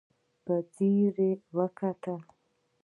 په ځير يې راکتل.